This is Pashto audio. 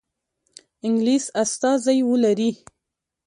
انګلیس استازی ولري.